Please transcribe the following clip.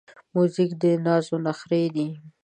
موزیک د نازو نخری دی.